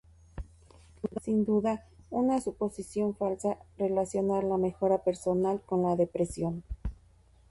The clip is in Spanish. Sin duda, es una suposición falsa relacionar la mejora personal con la depresión.